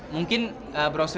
mungkin brosurnya boleh dikasiin